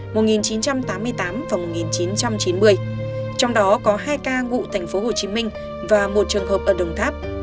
vòng một nghìn chín trăm chín mươi trong đó có hai ca ngụ tp hcm và một trường hợp ở đồng tháp